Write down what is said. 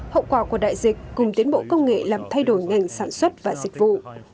hậu quả của đại dịch cùng tiến bộ công nghệ làm thay đổi ngành sản xuất và dịch vụ